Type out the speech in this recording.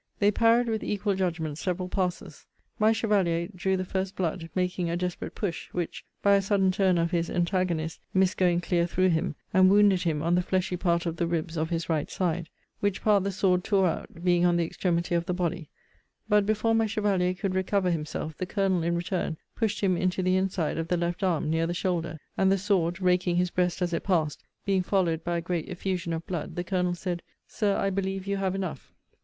They parried with equal judgment several passes. My chevalier drew the first blood, making a desperate push, which, by a sudden turn of his antagonist, missed going clear through him, and wounded him on the fleshy part of the ribs of his right side; which part the sword tore out, being on the extremity of the body; but, before my chevalier could recover himself, the Colonel, in return, pushed him into the inside of the left arm, near the shoulder; and the sword (raking his breast as it passed,) being followed by a great effusion of blood, the Colonel said, Sir, I believe you have enough.